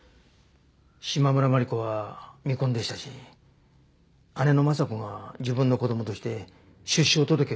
島村万里子は未婚でしたし姉の昌子が自分の子供として出生届を出したんだと思います。